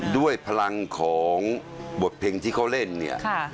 ด้วยพลังของบทเพลงที่เขาเล่นเนี่ย